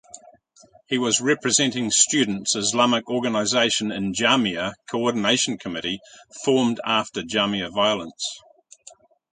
He was representing students Islamic Organisation in Jamia Coordination Committee formed after Jamia Violence.